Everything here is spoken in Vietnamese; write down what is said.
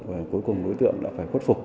và cuối cùng đối tượng đã phải quất phục